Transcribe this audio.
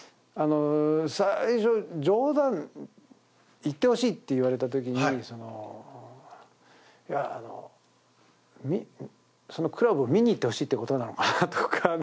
行ってほしいって言われた時にいや、クラブを見に行ってほしいってことなのかなとか。